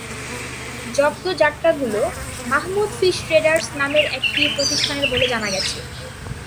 জব্দ জাটকাগুলো Mahmud fish traders নামের একটি প্রতিষ্ঠানের বলে জানা গেছে।